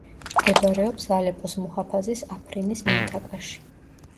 მდებარეობს ალეპოს მუჰაფაზის აფრინის მინტაკაში.